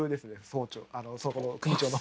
総長そこの組長の。